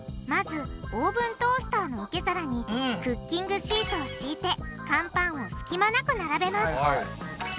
まずオーブントースターの受け皿にクッキングシートをしいて乾パンをすきまなく並べます。